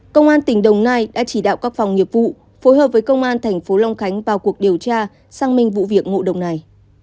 công an tp long khánh đã chỉ đạo các phòng nghiệp vụ phối hợp với công an tp long khánh vào cuộc điều tra sang minh vụ việc ngộ động này